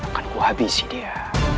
akan kuhabisi dia